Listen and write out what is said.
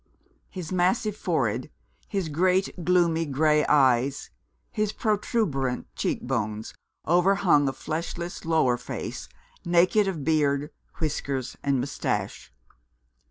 His massive forehead, his great gloomy gray eyes, his protuberant cheek bones, overhung a fleshless lower face naked of beard, whiskers, and moustache.